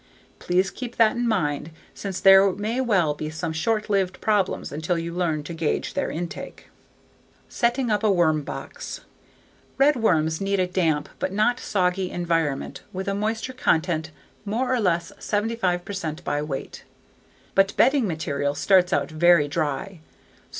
Please keep that in mind since there may well be some short lived problems until you learn to gauge their intake. Setting Up a Worm Box Redworms need a damp but not soggy environment with a moisture content more or less 75 percent by weight. But bedding material starts out very dry.